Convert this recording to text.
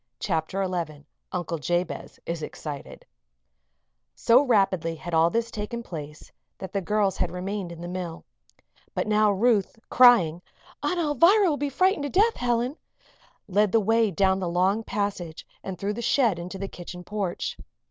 CHAPTER XI UNCLE JABEZ IS EXCITED So rapidly had all this taken place that the girls had remained in the mill. But now Ruth, crying: "Aunt Alvirah will be frightened to death, Helen!" led the way down the long passage and through the shed into the kitchen porch.